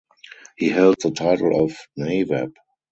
He held the title of Nawab.